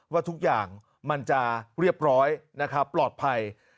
ว่าทุกอย่างมันจะเรียบร้อยนะครับปลอดภัย